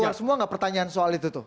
keluar semua enggak pertanyaan soal itu